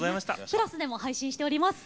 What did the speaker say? プラスでも配信しております。